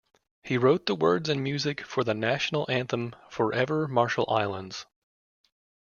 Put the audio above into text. He wrote the words and music for the national anthem, "Forever Marshall Islands".